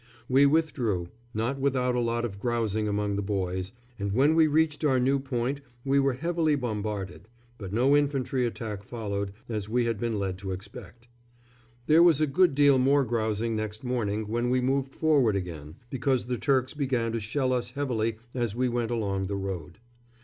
We withdrew, not without a lot of grousing among the boys, and when we reached our new point we were heavily bombarded; but no infantry attack followed, as we had been led to expect. There was a good deal more grousing next morning when we moved forward again, because the Turks began to shell us heavily as we went along the road.